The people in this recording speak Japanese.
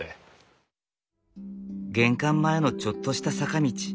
玄関前のちょっとした坂道。